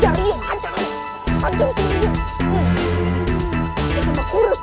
kayaknya kamu memang dia